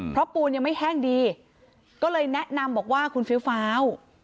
เพราะปูนยังไม่แห้งดีก็เลยแนะนำบอกว่าคุณฟิวฟ้าว